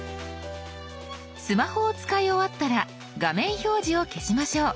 スマホを使い終わったら画面表示を消しましょう。